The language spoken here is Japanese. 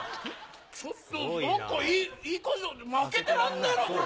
ちょっと何かいい感じ負けてらんねえなこれ。